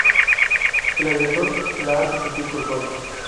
El agresor la hace sentir culpable.